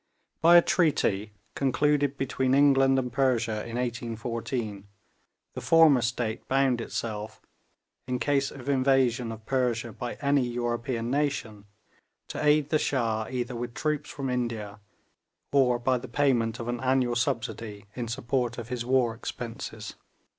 By a treaty, concluded between England and Persia in 1814, the former state bound itself, in case of the invasion of Persia by any European nation, to aid the Shah either with troops from India or by the payment of an annual subsidy in support of his war expenses.